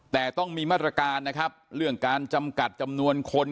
แต่ต้องมีมาตรการนะครับเรื่องการจำกัดจำนวนคน